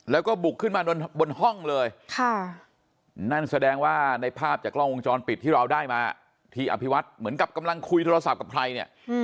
แล้วก็บุกขึ้นมาบนห้องเลยนั่นแสดงว่าในภาพจากกล้องวงจรปิดที่เราได้มาที่อภิวัตรเหมือนกับกำลังคุยโทรศัพท์กับใครเนี่ย